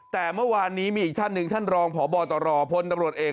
แต่เมื่อวานนี้มีอีกท่านหนึ่งท่านรองพบตรพลตำรวจเอก